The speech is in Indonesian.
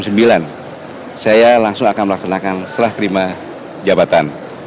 saya langsung akan melaksanakan serah terima jabatan